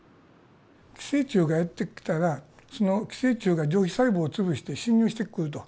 寄生虫がやって来たらその寄生虫が上皮細胞を潰して侵入してくると。